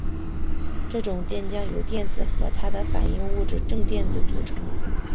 这种电浆由电子和它的反物质正电子组成。